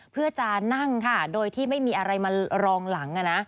เพื่อจะนั่งค่ะโดยที่ไม่มีอะไรมารองหลัง